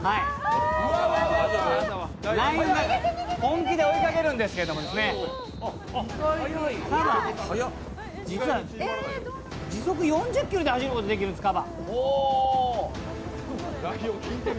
ライオンが本気で追いかけるんですけれども、かば、実は時速４０ｋｍで走ることができるんですよ。